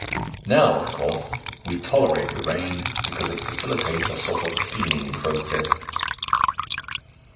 Now, of course, we tolerate the rain, because it facilitates a sort of cleaning process....